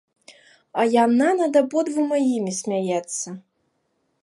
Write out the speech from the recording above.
А яна над абодвума імі смяецца.